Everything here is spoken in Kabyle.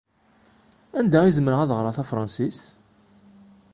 Anda i zemreɣ ad ɣreɣ Tafransist?